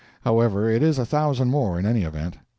However, it is a thousand more, in any event.